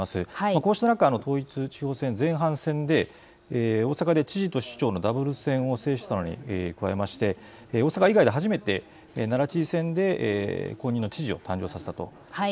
そうした中、統一地方選前半戦で大阪で知事と市長のダブル選挙を制したのに加えて大阪以外で初めて奈良県で初めて知事を誕生させた。